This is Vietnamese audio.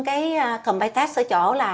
cái cơm bài test ở chỗ là